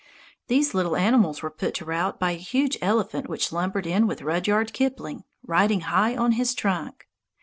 These little animals were put to rout by a huge elephant which lumbered in with Rudyard Kipling riding high on its trunk.